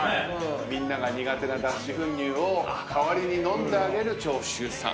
みんなが苦手な脱脂粉乳を代わりに飲んであげる長州さん。